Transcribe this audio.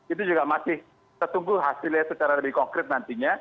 itu juga masih tertunggu hasilnya secara lebih konkret nantinya